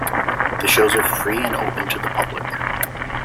The shows are free and open to the public.